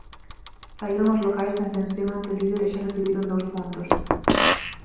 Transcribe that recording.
Saíron os locais sen tensión ante o líder e xa recibiron dous puntos.